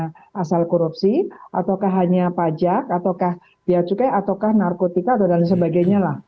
karena asal korupsi ataukah hanya pajak ataukah biacukai ataukah narkotika dan sebagainya lah